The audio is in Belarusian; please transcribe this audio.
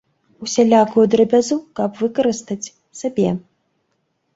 Усялякую драбязу каб выкарыстаць сабе.